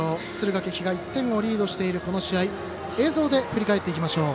敦賀気比が１点をリードしている試合映像で振り返っていきましょう。